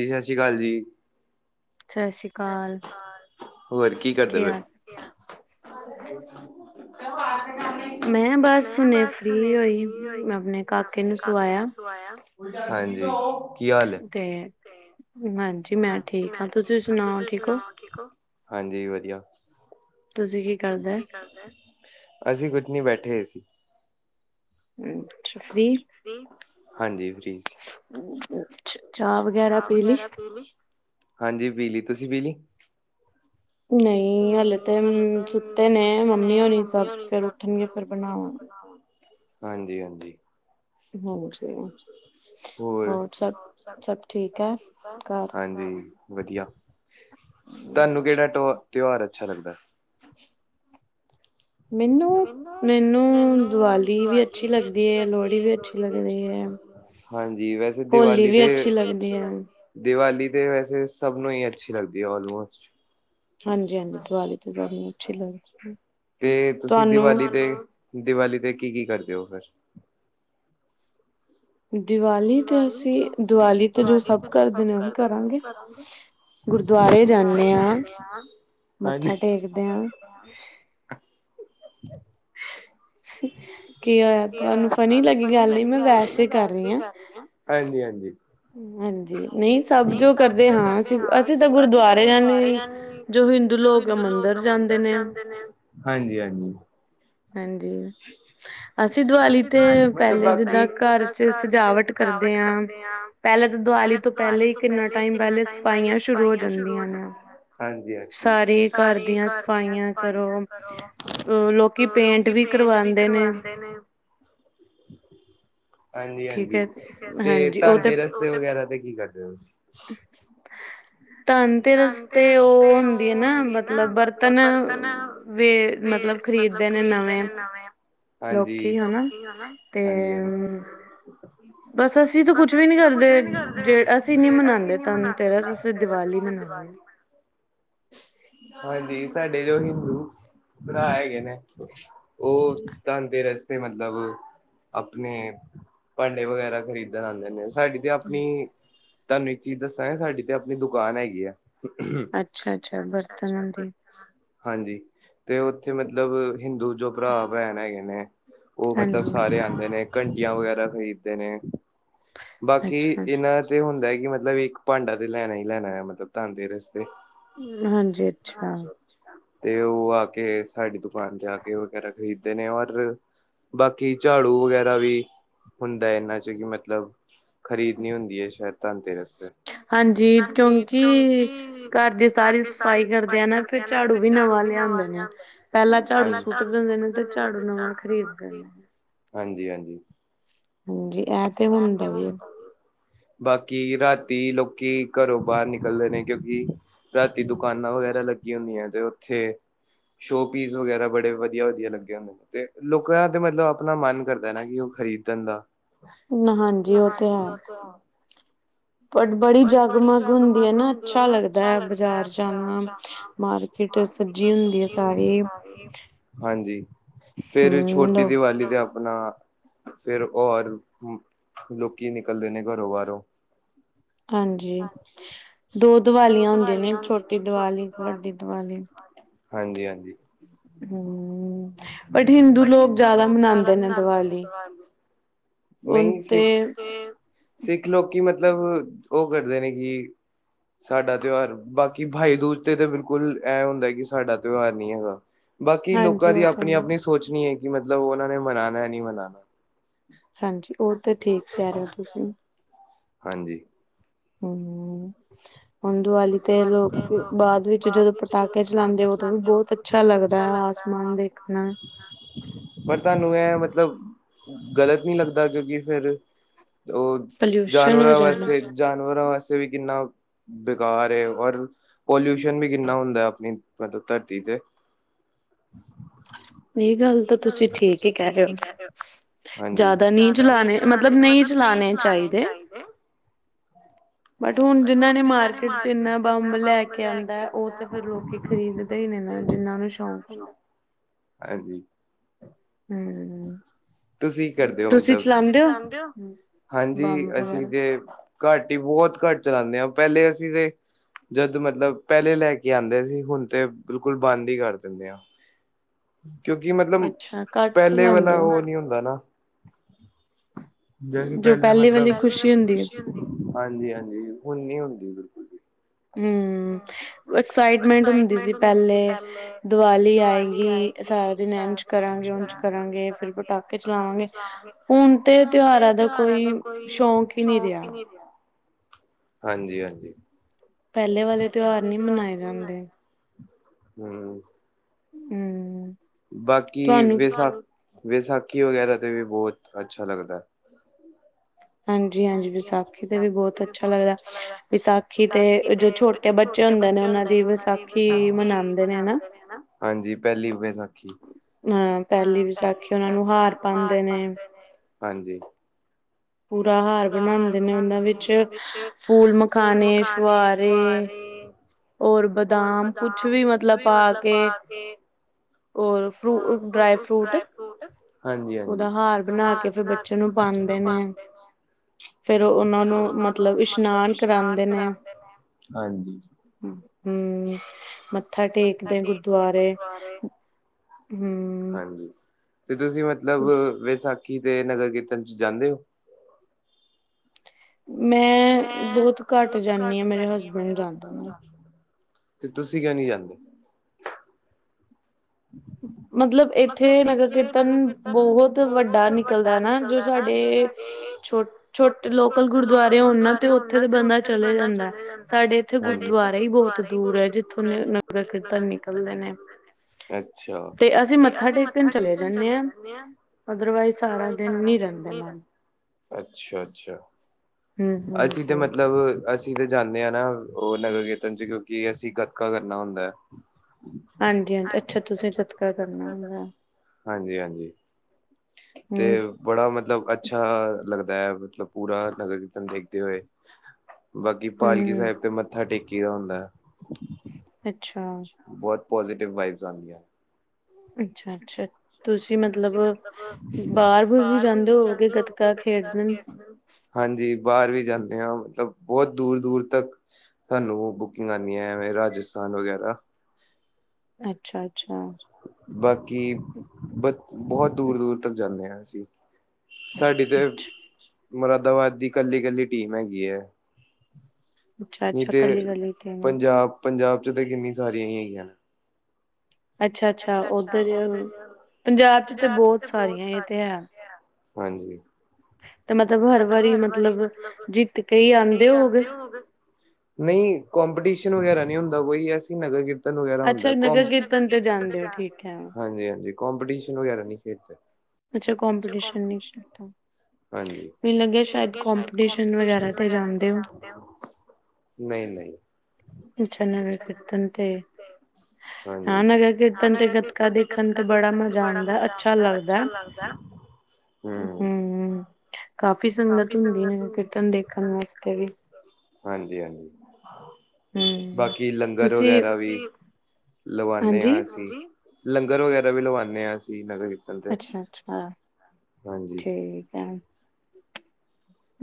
ਜੀ ਸਤਿ ਸ੍ਰੀ ਅਕਾਲ ਜੀ ਸਤਿ ਸ੍ਰੀ ਅਕਾਲ ਹੋਰ ਕੀ ਕਰਦੇ ਫਿਰ ਮੈਂ ਬਸ ਹੁਣੇ ਫ੍ਰੀ ਹੋਈ ਆਪਣੇ ਕਾਕੇ ਨੂੰ ਸਵਾਇਆ ਸੁਵਾਯਾ ਹਾਂਜੀ ਤੇ ਹਾਂਜੀ ਮੈਂ ਠੀਕ ਹਾਂ ਤੁਸੀਂ ਸੁਣਾਓ ਠੀਕ ਹੋ ਹਾਂਜੀ ਵਧੀਆ ਤੁਸੀ ਕਿ ਕਰਦੇ ਅਸੀਂ ਕੁੱਝ ਨੀ ਬੈਠੇ ਸੀ ਅੱਛਾ ਫ੍ਰੀ ਹਾਂਜੀ ਫਰੀਜ਼ [inaudible] ਚ ਵਗੈਰਾ ਪੀਲੀ ਹਾਂਜੀ ਪਿਲੀ ਤੁਸੀਂ ਪੀਲੀ ਨਹੀਂ ਹਲੇੇ ਤੇ ਸੁੱਤੇ ਨੇ ਮੰਮੀ ਹੋਣੀ ਸਭ ਫਿਰ ਉੱਠਣਗੇ ਫਿਰ ਬਣਾਵਾਂਗੇ ਹਾਂ ਹਾਂਜੀ-ਹਾਂਜੀ, ਹ ਹੋਰ? ਹਾਂਜੀ ਵਧੀਆ, ਤੁਹਾਨੂੰ ਕਿਹੜਾ ਤਿਹਾਰ ਅੱਛਾ ਲੱਗਦਾ? ਮੈਨੂੰ ਮੈਨੂੰ ਦੀਵਾਲੀ ਵੀ ਅੱਛੀ ਲੱਗੀ ਹੈ, ਲੋਹੜੀ ਵੀ ਅੱਛੀ ਲੱਗੀ ਹੈ। ਹਾਂਜੀ ਵੈਸੇ ਦੀਵਾਲੀ ਤੇ, ਦੀਵਾਲੀ ਤੇ ਵੈਸੇ ਸਭ ਨੂੰ ਹੀ ਅੱਛੀ ਲੱਗਦੀ ਹੈ ਆਲਮੋਸਟ। ਹਾਂਜੀ-ਹਾਂਜੀ, ਦੀਵਾਲੀ ਤੇ ਸਭ ਨੂੰ ਅੱਛੀ ਲੱਗਦੀ। ਤੇ ਤੁਸੀਂ ਦੀਵਾਲੀ ਤੇ ਦੀਵਾਲੀ ਤੇ ਕੀ- ਕੀ ਕਰਦੇ ਹੋ ਫਿਰ। ਦੀਵਾਲੀ ਤੇ ਅਸੀਂ ਦੀਵਾਲੀ ਤੇ ਜੋ ਸਭ ਕਰਦੇ ਨੇ ਉਹੀ ਕਰਾਂਗੇ। ਜੀ, ਕੀ ਹੋਇਆ, ਤੁਹਾਨੂੰ ਫਨੀ ਲੱਗੀ ਗੱਲ ਨਹੀਂ ਮੈਂ ਵੈਸੇ ਕਰ ਰਹੀ ਹਾਂ। ਹਾਂਜੀ-ਹਾਂਜੀ ਹਾਂਜੀ ਨਹੀਂ ਸਭ ਜੋ ਕਰਦੇ ਹਾਂ ਅਸੀਂ-ਅਸੀਂ ਤਾਂ ਗੁਰਦੁਆਰੇ ਜਾਂਦੇ ਜੋ ਹਿੰਦੂ ਲੋਕ ਆ ਮੰਦਰ ਜਾਂਦੇ ਨੇ ਹਾਂਜੀ-ਹਾਂਜੀ ਹਾਂਜੀ ਅਸੀਂ ਦੀਵਾਲੀ ਤੇ ਪਹਿਲੇ ਜਿੱਦਾਂ ਘਰ ਚ' ਸਜਾਵਟ ਕਰਦੇ ਹਾਂ। ਪਹਿਲੇ ਤਾਂ ਦੀਵਾਲੀ ਤੋਂ ਪਹਿਲੇ ਹੀ ਕਿੰਨਾ ਟਾਈਮ ਪਹਿਲੇ ਸਫਾਈਆਂ ਸ਼ੁਰੂ ਹੋ ਜਾਂਦੀਆਂ ਨੇ। ਹਾਂਜੀ-ਹਾਂਜੀ, ਸਾਰੇ ਘਰ ਦੀਆਂ ਸਫਾਈਆਂ ਕਰੋ। ਲੋਕੀ ਪੇਂਟ ਵੀ ਕਰਵਾਉਂਦੇ ਨੇ। ਹਾਂਜੀ-ਹਾਂਜੀ, ਤੇ ਧਨਤੇਰਸ ਵਗੈਰਾ ਤੇ ਕੀ ਕਰਦੇ ਹੋ ਤੁਸੀਂ। ਧਨ ਤੇ ਰਸਤੇ ਉਹ ਹੁੰਦੀ ਹੈ, ਨਾ ਮਤਲਬ ਬਰਤਨ ਵੀੇ ਮਤਲਬ ਖ਼ਰੀਦਦੇ ਨੇ ਨਵੇਂ। ਹਾਂਜੀ। ਹਨਾ। ਤੇ, ਬਸ ਅਸੀਂ ਤਾਂ ਕੁਛ ਵੀ ਨੀ ਕਰਦੇ। ਜੇ ਅਸੀਂ ਨੀ ਮਨਾਉਂਦੇ ਤਨ ਤੇਰਾ ਸ ਅਸੀਂ ਦਿਵਾਲੀ ਮਨਾਨੇ ਆ। ਹਾਂਜੀ, ਸਾਡੇ ਜੋ ਹਿੰਦੂ ਭਰਾ ਹੈਗੇ, ਨੇ ਉਹ ਧਨ ਤੇਰ ਮਤਲਬ ਆਪਣੇ ਭਾਂਡੇ ਵਗੈਰਾ ਖਰੀਦਣ ਆਦੇ ਨੇ। ਸਾਡੀ ਤੇ ਆਪਣੀ ਤੁਹਾਨੂੰ ਇੱਕ ਚੀਜ਼ ਦੱਸਾਂਗੇ, ਸਾਡੀ ਤੇ ਆਪਣੀ ਦੁਕਾਨ ਹੈਗੀ ਆ। ਅੱਛਾ-ਅੱਛਾ। ਹਾਂਜੀ, ਤੇ ਉੱਥੇ ਮਤਲਬ ਹਿੰਦੂ ਜੋ ਭਰਾ ਭੈਣ ਹੈਗੇ ਨੇ। ਉਹ ਮਤਲਬ ਸਾਰੇ ਆਦੇ ਨੇ, ਘੰਟੀਆਂ ਵਗੈਰਾ ਖਰੀਦਦੇ ਨੇ। ਬਾਕੀ ਇਹਨਾਂ ਤੇ ਹੁੰਦਾ ਕਿ, ਮਤਲਬ ਇੱਕ ਭਾਂਡਾ ਤੇ ਲੈਣਾ ਹੀ ਲੈਣਾ ਆ ਮਤਲਬ ਧੰਨ ਤੇਰਸ ਹਾਂਜੀ-ਹਾਂਜੀ ਜੀ, ਤੇ ਉਹ ਆ ਕੇ ਸਾਡੀ ਦੁਕਾਨ ਤੇ ਆ, ਕੇ ਵਗੈਰਾ ਖਰੀਦਦੇ ਨੇ ਔਰ। ਬਾਕੀ ਝਾੜੂ ਵਗੈਰਾ ਵੀ ਹੁੰਦਾ ਹੈ, ਇਹਨਾਂ ਚ' ਕਿ ਮਤਲਬ ਖਰੀਦਣੀ ਹੁੰਦੀ ਹੈ, ਸ਼ਾਇਦ ਧਨ ਤੇਰਸ ਤੇ ਹਾਂਜੀ, ਕਿਉਂਕਿ, ਘਰ ਦੀ ਸਾਰੀ ਸਫ਼ਾਈ ਕਰਦੇ ਆ, ਨਾ ਫਿਰ ਝਾੜੂ ਵੀ ਨਵਾਂ ਲਿਆਂਦੇ ਨੇ। ਪਹਿਲਾਂ ਝਾੜੂ ਸੁੱਟ ਦਿੰਦੇ ਨੇ, ਤੇ ਝਾੜੂ ਨਵਾਂ ਖਰੀਦ ਦਿੰਦੇ ਨੇ। ਹਾਂਜੀ-ਹਾਂਜੀ, ਆ ਤੇ ਮੁਦਾ ਬਾਕੀ ਰਾਤੀ ਲੋਕੀ ਘਰੋਂ ਬਾਹਰ ਨਿਕਲਦੇ ਨੇ ਕਿਉਂਕਿ ਰਾਤੀ ਦੁਕਾਨਾਂ ਵਗੈਰਾ ਲੱਗੀੀਆਂ ਹੁੰਦੀਆਂ, ਤੇ ਉੱਥੇ ਸ਼ੋਪੀਸ ਵਗੈਰਾ ਬੜੇ ਵਧੀਆ-ਵਧੀਆ ਲੱਗੇ ਹੁੰਦੇ। ਤੇ ਲੋਕਾਂ ਤੇ ਮਤਲਬ ਆਪਣਾ ਮਨ ਕਰਦਾ ਨਾ। ਕਿ ਉਹ ਖਰੀਦਣ ਦਾ ਹਾਂਜੀ, ਉਹ ਤੇ ਹੈ। ਹ [inaudible] ਬਟ ਬੜੀ ਜਗ ਮਗ ਹੁੰਦੀ ਹੈ ਨਾ ਅੱਛਾ ਲੱਗਦਾ ਐ ਬਜ਼ਾਰ ਜਾਣਾ। ਹਾਂਜੀ। ਫੇਰ ਛੋਟੀ ਦੀਵਾਲੀ ਦੇ ਆਪ ਅਪਣਾ ਫੇਰ ਹੋਰ ਲੋਕੀ ਨਿਕਲਦੇ ਨੇ ਘਰੋਂ ਬਾਰੋਂ। ਹਾਂਜੀ। ਦੋ ਦੋ ਦੀਵਾਲੀਆਂ ਹੁੰਦੀਆਂ ਨੇ ਛੋਟੀ ਦੀਵਾਲੀ। ਹਾਂਜੀ- ਹਾਂਜੀ। ਹੂੰ। ਬਟ, ਹਿੰਦੂ ਲੋਕ ਜਾਦਾ ਮਨਾਂਦੇ ਨੇ ਦੀਵਾਲੀ। ਨਈ ਸਿੱਖ ਸਿੱਖ ਲੋਕੀ ਮਤਲਬ, ਓ ਕਰਦੇ ਨੇ ਕਿ ਸਾਡਾ ਤਿਉਹਾਰ ਬਾਕੀ ਭਾਈ ਦੂਜ ਤੇ ਤੇ ਬਿਲਕੁਲ ਐ ਹੁੰਦਾ ਕਿ ਸਾਡਾ ਤਿਉਹਾਰ ਨਈ ਹੈਗਾ। ਬਾਕੀ ਲੋਕਾਂ ਦੀ ਆਪਣੀ ਆਪਣੀ ਸੋਚਣੀ ਏ, ਕਿ ਮਤਲਬ ਓਨਾਂ ਨੇ ਮਨਾਣਾ ਐ ਨੀ ਮਨਾਣਾ। ਹਾਂਜੀ, ਓ ਤੇ ਠੀਕ। ਕਹਿ ਰਹੇ ਹੋ ਤੁਸੀ। ਹਾਂਜੀ। ਹੂੰ, ਹੁਣ ਦੀਵਾਲੀ ਤੇ ਲੋਕ ਬਾਅਦ ਵਿੱਚ ਜਦੋਂ ਪਟਾਕੇ ਚਲਾਦੇ ਉਦੋਂ ਵੀ ਬਹੁਤ ਬਹੁਤ ਅੱਛਾ ਲੱਗਦਾ ਹੈ, ਆਸਮਾਨ ਦੇ ਪਰ ਤੁਹਾਨੂੰ ਇਹ ਮਤਲਬ ਗ਼ਲਤ ਨਹੀਂ ਲੱਗਦਾ, ਕਿਉਂਕਿ ਫਿਰ ਓ ਜਾਨਵਰਾਂ ਵਾਸਤੇ ਜਾਨਵਰਾਂ ਵਾਸਤੇ ਵੀ ਕਿੰਨਾ ਗਾ ਰਹੇ ਹੋ ਔਰ ਪੋਲਊਸ਼ਨ ਵੀ ਕਿੰਨਾ ਹੁੰਦਾ ਐ ਅਪਣੀ ਮਤਲਬ ਧਰਤੀ ਤੇ। ਏ ਗੱਲ ਤਾਂ ਤੁਸੀ ਠੀਕ ਹੀ ਕਹਿ ਰਹੇ ਹੋ। ਹਾਂਜੀ ਜਾਦਾ ਨਈ ਚਲਾਣੇ ਮਤਲਬ ਨਈ ਚਲਾਣੇ ਚਾਹੀਦੇ। ਬਟ ਹੁਣ ਜਿਨਾਂ ਨੇ ਮਾਰ ਮਾਰਕੀਟ ਚ ਇੰਨਾ ਬੰਬ ਲੈ ਕੇ ਆਂਦਾ ਐ ਓ ਤੇ ਫਿਰ ਲੋਕੀ ਖਰੀਦਦੇ ਹੀ ਨੇ ਨਾ ਜਿੰਨਾ ਨੂੰ ਸ਼ੌਕ ਹੁੰਦਾ। ਹਾਂਜੀ। ਹੂੰ। ਤੁਸੀ ਕਰਦੇ ਹੋ ਮਤਲਬ ਤੁਸੀਂ ਚਲਾਉਂਦੇ ਹੋ ਹਾਂਜੀ ਅਸੀਂ ਜੇ ਘੱਟ ਹੀ ਬੋਤ ਘੱਟ ਚਲਾਨੇ ਹਾਂ ਪਹਿਲੇ ਅਸੀ ਤੇ ਜਦ ਮਤਲਬ ਪਹਿਲੇ ਲੈ ਕੇ ਆਂਦੇ ਸੀ ਹੁਣ ਤੇ ਬਿਲਕੁਲ ਬੰਦ ਈ ਕਰ ਦਿੰਨੇ ਆ। ਕਿਉਂਕਿ ਮਤਲਬ ਪਹਿਲੇ ਵਾਲਾ ਓ ਨੀ ਹੁੰਦਾ ਨਾ। ਜੈਸੀ ਪਹਿਲੇ ਮਤਲਬ ਪਹਲੇ ਵਾਲੀ ਖੁਸ਼ੀ ਹੁੰਦੀ ਹਾਂਜੀ ਹਾਂਜੀ ਹੁਣ ਨੀ ਹੁੰਦੀ ਬਿਲਕੁਲ ਵੀ। ਹੂ। ਐਕਸਾਈਟਮੈਂਟ ਹੁੰਦੀ ਸੀ ਪਹਿਲੇ ਦੀਵਾਲੀ ਆਏਗੀ ਸਾਰਾ ਦਿਨ ਐਜ ਕਰਾਂਗੇ ਉਂਜ ਕਰਾਂਗੇ ਫਿਰ ਪਟਾਕੇ ਚਲਾਵਾਂਗੇ ਹੁਣ ਤੇ ਤਿਉਹਾਰ ਤੇ ਤਿਉਹਾਰਾਂ ਦਾ ਕੋਈ ਸ਼ੌਕ ਹੀ ਨੀ ਹੈਗਾ--ਹਾਂਜੀ ਹਾਂਜੀ। ਪਹਿਲੇ ਵਾਲੇ ਤਿਉਹਾਰ ਨਹੀਂ ਮਨਾਏ ਜਾਂਦੇ। ਹੂ,,,। ਹੂ। ਬਾਕੀ ਵਿਸਾਖ ਵਿਸਾਖੀ ਵਗੈਰਾ ਤੇ ਵੀ ਬਹੁਤ ਅੱਛਾ ਲੱਗਦਾ ਐ। ਹਾਂਜੀ ਹਾਂਜੀ ਵਿਸਾਖੀ ਤੇ ਵੀ ਬਹੁਤ ਅੱਛਾ ਲੱਗਦਾ। ਵਿਸਾਖੀ ਤੇ ਜੋ ਛੋਟੇ ਜੋ ਛੋਟੇ ਬੱਚੇ ਹੁੰਦੇ ਨੇ ਉਨ੍ਹਾਂ ਦੀ ਵਿਸਾਖੀ ਮਨਾਂਦੇ ਨੇ ਨਾ। ਹਾਂਜੀ ਪਹਿਲੀ ਵਿਸਾਖੀ। ਹਾਂ ਪਹਿਲੀ ਵਿਸਾਖੀ ਔਨਾਂ ਨੂੰ ਹਾਰ ਪਾਂਦੇ ਨੇ। ਹਾਂਜੀ। ਪੂਰਾ ਹਾਰ ਬਣਾਂਦੇ ਨੇ ਓਨਾਂ ਵਿੱਚ ਫੂਲ ਮਖਾਣੇ, ਛੁਆਰੇ ਹੋਰ ਬਦਾਮ ਕੁਛ ਵੀ ਮਤਲਬ ਪਾ ਕੇ ਹੋਰ ਫਰੂ ਡਰਾਈ ਫਰੂਟ ਓਦਾ ਹਾਰ ਬਣਾ ਕੇ ਫਿਰ ਬੱਚੇ ਬੱਚੇ ਨੂੰ ਪਾਂਦੇ ਨੇ। ਫਿਰ ਉਨਾ ਨੂੰ ਮਤਲਬ ਇਸ਼ਨਾਨ ਕਰਾਂਦੇ ਨੇ। ਹਾਂਜੀ। ਹੂੰ ਮਤ ਮੱਥਾ ਟੇਕਦੇ ਗੁਰਦੁਆਰੇ। ਹੂੰ। ਤੇ ਤੁਸੀ ਮਤਲਬ ਵਿਸਾਖੀ ਤੇ ਨਗਰ ਕੀਰਤਨ ਚ ਜਾਂਦੇ ਹੋ? ਮੈਂ ਬਹੁਤ ਘੱਟ ਜਾਨੀ ਹਾਂ ਮੇਰੇ ਹਸਬੈਂਡ ਜਾਂਦੇ। ਤੇ ਤੁਸੀਂ ਕਿਉਂ ਨਹੀਂ ਜਾਂਦੇ ਮਤਲਬ ਇੱਥੇ ਨਗਰ ਕੀਰਤਨ ਬਹੁਤ ਵੱਡਾ ਨਿਕਲਦਾ ਨਾ ਜੋ ਸਾਡੇ ਛ ਛੋਟੇ ਲੋਕਲ ਗੁਰਦੁਆਰੇ ਹਨਾਂ ਤੇ ਉੱਥੇ ਤਾਂ ਬੰਦਾ ਚਲੇ ਜਾਂਦਾ। ਸਾਡੇ ਇੱਥੇ ਗੁਰਦੁਆਰੇ ਹੀ ਬਹੁਤ ਦੂਰ ਹੈ। ਜਿੱਥੋਂ ਨਗਰ ਕੀਰਤਨ ਨਿਕਲਦੇ ਨੇ ਅੱਛਾ, ਤੇ ਅਸੀਂ ਮੱਥਾ ਟੇਕਣ ਚਲੇ ਜਾਂਨੇ ਆਂ। ਅਦਰਵਾਈਜ਼ ਸਾਰਾ ਦਿਨ ਨੀ ਰਹਿਣ ਦੇਣਾ। ਅੱਛਾ- ਅੱਛਾ, ਅਸੀਂ ਤੇ ਮਤਲਬ ਅਸੀਂ ਅਸੀਂ ਤਾਂ ਜਾਂਦੇ ਹਾਂ ਨਾ ਉਹ ਨਗਰ ਕੀਰਤਨ ਚ ਕਿਉਂਕਿ ਅਸੀਂ ਗਤਕਾ ਕਰਨਾ ਹੁੰਦਾ ਐ। ਹਾਂਜੀ, ਹਾਂਜੀ ਅੱਛਾ ਤੁਸੀਂ ਗਤਕਾ ਕਰਨਾ ਹੁੰਦਾ ਐ। ਤੇ ਬੜਾ ਮਤਲਬ ਅੱਛਾ ਲੱਗਦਾ ਐ। ਮਤਲਬ ਪੂਰਾ ਨਗਰ ਕੀਰਤਨ ਦੇਖਦੇ ਹੋਏ। ਬਾਕੀ ਪਾਲਕੀ ਸਾਹਿਬ ਤੇ ਮੱਥਾ ਟੇਕੀ ਦਾ ਹੁੰਦਾ ਐ। ਅੱਛਾ। ਬੋਤ ਪੋਜ਼ਟਿਵ ਵਾਈਬਸ ਆਂਦੀਆਂ। ਅੱਛਾ ਅੱਛਾ ਤੁਸ ਤੁਸੀਂ ਮਤਲਬ ਬਾਹਰ [unintelligible] ਵੀ ਜਾਂਦੇ ਹੋਗੇ [unintelligible] ਹਾਂਜੀ ਬਾਹਰ ਵੀ ਜਾਂਦੇ ਹਾਂ ਮਤਲਬ ਬਹੁਤ ਦੂਰ ਦੂਰ ਤੱਕ ਤੁਹਾਨੂੰ ਬੁਕਿੰਗ ਅੰਦੀਏ ਵੇ ਰਾਜਸਥਾਨ ਵਗੈਰਾ ਅੱਛਾ, ਅੱਛਾ। ਬਾਕੀ ਬ ਬਹੁਤ ਦੂਰ, ਦੂਰ ਤੱਕ ਜਾਂਨੇ ਆ ਅਸੀਂ। ਸਾਡੀ ਤੇ ਮੁਰਾਦਾਬਾਦ ਦੀ ਕੱਲੀ, ਕੱਲੀ ਟੀਮ ਹੈਗੀ ਐ। ਨਹੀਂ ਤੇ ਪੰਜਾਬ -ਪੰਜਾਬ ਚ ਤੇ ਕਿੰਨੀ ਸਾਰੀਆਂ ਹੀ ਹੈਗੀਆਂ। ਅੱਛਾ- ਅੱਛਾ ਉੱਧਰ, ਪੰਜਾਬ ਚ ਤੇ ਬਹੁਤ ਸਾਰੀਆਂ ਇਹ ਤੇ ਹੈ। ਹਾਂਜੀ। ਤੇ ਮਤਲਬ ਹਰ ਵਾਰੀ ਮਤਲਬ, ਜਿੱਤ ਕੇ ਹੀ ਆਂਦੇ ਹੋਗੇ। ਨਹੀਂ ਕੌਪੀਟੀਸ਼ਨ ਵਗੈਰਾ ਨਹੀਂ ਹੁੰਦਾ ਕੋਈ, ਅਸੀਂ ਨਗਰ ਕੀਰ ਕੀਰਤਨ ਵਗੈਰਾ ਹੁੰਦਾ ਕੌਂ, ਅੱਛਾ- ਅੱਛਾ ਨਗਰ ਕੀਰਤਨ ਤੇ ਜਾਣ ਦੇ, ਹਾਂਜੀ- ਹਾਂਜੀ ਕੌਂਪੀਟੀਸ਼ਨ ਵਗੈਰਾ ਨਹੀਂ ਖੇਡਦੇ। ਅੱਛਾ ਕੌਮਪੀਟੀਸ਼ਨ ਨਹੀਂ ਕੀਤਾ। ਮੈਨੂੰ ਲੱਗਿਆ ਸ਼ਾਇਦ, ਕੋਂਪੀਟੀਸ਼ਨ ਵਗੈਰਾ ਤੇ ਜਾਂਦੇ ਹੋ। ਨਹੀਂ-ਨਹੀਂ। ਅੱਛਾ, ਨਗਰ ਕੀਰਤਨ ਤੇ ਹਾਂ ਨਗਰ ਕੀਰਤਨ ਤੇ ਗੱਤਕਾ ਦੇਖਣ ਤੇ ਬੜਾ ਮਜ਼ਾ ਆਂਦਾ, ਅੱਛਾ ਲੱਗਦਾ। ਦਾ ਹੂੰ ਕਾਫ਼ੀ ਸੰਗਤ ਹੁੰਦੀ ਨੇ, ਕੀਰਤਨ ਦੇਖਣ ਵਾਸਤੇ ਵੀ। ਹਾਂਜੀ- ਹਾਂਜੀ, ਬਾਕੀ ਲੰਗਰ ਵਗੈਰਾ ਵੀ ਲਵਾਂਨੇ ਆਂ ਅਸੀਂ, ਹਾਂਜੀ ਲੰਗਰ ਵਗੈਰਾ ਵੀ ਲਵਾਂਨੇ ਆਂ, ਅਸੀਂ ਨਗਰ ਅੱਛਾ -ਅੱਛਾ, ਠੀਕ ਐ।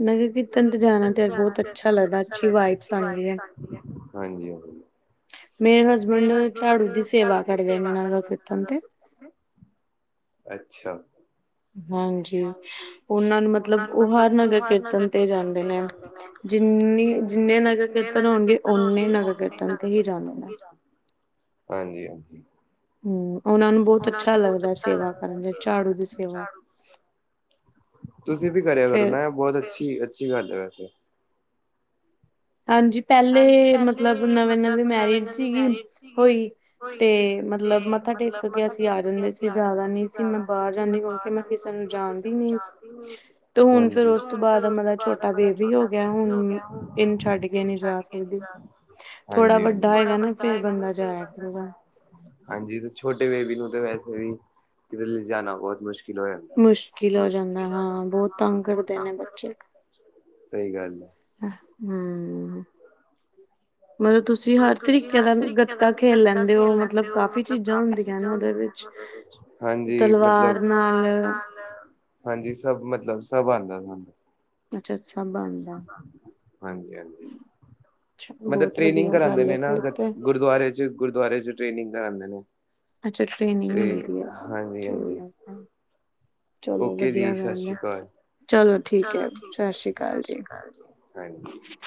ਨਗਰ ਕੀਰਨ ਤੇ ਜਾਣਾ ਤੇ ਬਹੁਤ ਅੱਛਾ ਲੱਗਦਾ, ਅੱਛੀ ਵਾਈਬਸ ਆਂਦੀ ਐ। ਹਾਂਜੀ- ਹਾਂਜੀ। ਮੇਰੇ ਹਸਬੈਂਡ ਝਾੜੂ ਦੀ ਸੇਵਾ ਕਰਦੇ ਨੇ, ਨਗਰ ਕੀਰਤਨ ਤੇ। ਅੱਛਾ। ਹਾਂਜੀ, ਉਹਨਾਂ ਨੂੰ ਮਤਲਬ, ਉਹ ਹਰ ਨਗਰ ਕੀਰਤਨ ਤੇ ਜਾਂਦੇ ਨੇ। ਜਿੰਨਨੀ ਜਿੰਨੇ ਨਗਰ ਕੀਰਤਨ ਹੋਣਗੇ, ਓਨੇ ਨਗਰ ਕੀਰਤਨ ਤੇ ਹੀ ਜਾਂਦੇ ਨੇ। ਹਾਂਜੀ। ਹੂੰ, ਉਹਨਾਂ ਨੂੰ ਬਹੁਤ ਅੱਛਾ ਲੱਗਦਾ ਸੇਵਾ ਕਰਨ ਦਾ, ਝਾੜੂ ਦੀ ਸੇਵਾ। ਤੁਸੀਂ ਵੀ ਕਰਿਆ ਕਰੋ ਨਾ, ਐਹ ਬਹੁਤ ਅੱਛੀ-ਅੱਛੀ ਗੱਲ ਐ ਵੈਸੇ। ਹਾਂਜੀ, ਪਹਿਲੇ ਮਤਲਬ ਨਵੇਂ- ਨਵੇਂ ਮੈਰਿਜ ਸੀਗੀ ਹੋਈ। ਤੇ ਮਤਲਬ ਮੱਥਾ ਟੇਕ ਕੇ ਅਸੀਂ ਆ ਜਾਂਦੇ ਸੀ, ਜ਼ਾਦਾ ਨਹੀਂ ਸੀ ਮੈਂ ਬਾਹਰ ਜਾਂਦੀ, ਕਿਉਂਕਿ ਮੈਂ ਕਿਸੇ ਕਿਸੇ ਨੂੰ ਜਾਣਦੀ ਨਹੀਂ ਸੀ, ਤੇ ਹੁਣ ਫੇਰ ਉਸ ਤੋਂ ਬਾਅਦ ਮੇਰਾ ਛੋਟਾ ਬੇਬੀ ਹੋ ਗਿਆ, ਹੁਣ ਇਹਨੂੰ ਛੱਡ ਕੇ ਨਹੀਂ ਜਾ ਸਕਦੀ, ਥੋੜਾ ਵੱਡਾ ਹੋਏਗਾ ਨਾ, ਫੇਰ ਬੰਦਾ ਜਾਇਆ ਜਾਂਦਾ। ਹਾਂਜੀ, ਤੇ ਛੋਟੇ ਬੇਬੀ ਨੂੰ ਤੇ ਵੈਸੇ ਵੀ ਕਿਤੇ ਲਿਜਾਣਾ ਬਹੁਤ ਮੁਸ਼ ਮੁਸ਼ਕਿਲ ਹੋ ਜਾਂਦਾ ਹਾਂ, ਬਹੁਤ ਤੰਗ ਕਰਦੇ ਨੇ ਬੱਚੇ। ਸਹੀ ਗੱਲ ਐ। ਹੂੰ, ਮਤਲਬ ਤੁਸੀਂ ਮਤਲਬ ਤੁਸੀਂ ਹਰ ਤਰੀਕੇ ਦਾ ਗਤਕਾ ਖੇਲ ਲੈਂਦੇ ਹੋ ਮਤਲਬ ਕਾਫ਼ੀ ਚੀਜ਼ਾਂ ਹੁੰਦੀਆਂ ਨੇ ਉਹਦੇ ਵਿੱਚ ਹਾਂਜੀ ਮਤਲਬ ਤਲਵਾਰ ਨਾਲ, ਹਾਂਜੀ ਸਭ ਮਤਲਬ ਸਭ ਆਉਂਦਾ ਥਾਂ ਹਾਂਜੀ- ਹਾਂਜੀ। ਮਤਲਬ ਟ੍ਰੇਨਿੰਗ ਕਰਾਂਂਦੇ ਨੇ ਨਾ ਗੁਰਦੁਆਰੇ ਚ, ਗੁਰਦੁਆਰੇ ਚ ਟ੍ਰੇਨਿੰਗ ਕਰਾਉਂਦੇ ਨੇ। ਅੱਛਾ ਟ੍ਰੇਨਿੰਗ ਮਿਲਦੀ ਹੈ। ਚਲੋ ਵਧੀਆ ਗੱਲ ਹੈ ਚਲੋ ਚਲੋ ਠੀਕ ਹੈ ਸਤਿ ਸ਼੍ਰੀ ਅਕਾਲ ਜੀ ਬਾਏ।